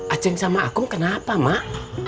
aceh sama akum kenapa mak